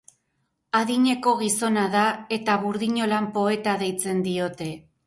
Adineko gizona da, eta burdinolan poeta deitzen diote.